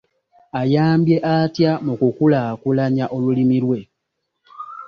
Ayambye atya mu kukulaakulanya olulimi lwe.